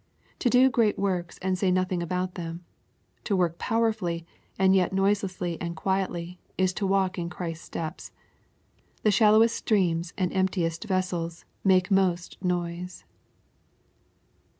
To do great works and say nothing about them — ^to work powerfully, and yet noiselessly and quietly is to walk in Christ's steps. The shallowest streams and empties vessels make most noise.